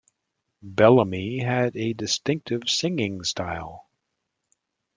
Bellamy had a distinctive singing style.